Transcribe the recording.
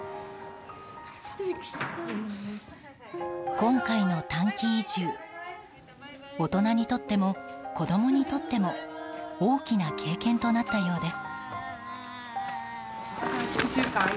今回の短期移住大人にとっても子供にとっても大きな経験となったようです。